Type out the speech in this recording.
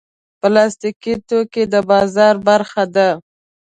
پلاستيکي توکي د بازار برخه ده.